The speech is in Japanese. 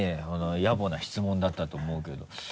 やぼな質問だったと思うけど。